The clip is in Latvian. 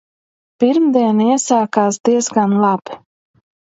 Pirmdiena iesākās diezgan labi.